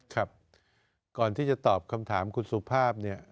ครับก่อนที่จะตอบคำถามคุณสุภาพเนี่ย